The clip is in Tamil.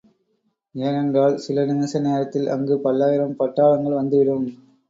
ஏனென்றால் சில நிமிஷ நேரத்தில் அங்கு பல்லாயிரம் பட்டாளங்கள் வந்துவிடும்.